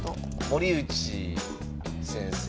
森内先生。